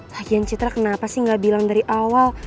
lagian citra kenapa sih ga bilang dari awal